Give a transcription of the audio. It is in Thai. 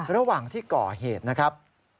ระหว่างที่ก่อเหตุนะครับ